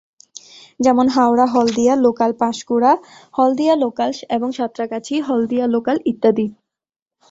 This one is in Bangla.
যেমন- হাওড়া-হলদিয়া লোকাল, পাঁশকুড়া-হলদিয়া লোকাল এবং সাঁতরাগাছি-হলদিয়া লোকাল ইত্যাদি।